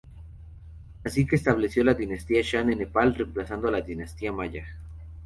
Así se estableció la dinastía Shah en Nepal reemplazando a la Dinastía Malla.